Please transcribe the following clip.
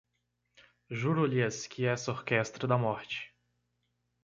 Juro-lhes que essa orquestra da morte